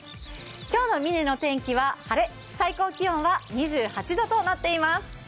今日の美祢の天気は晴れ、最高気温は２８度となっています。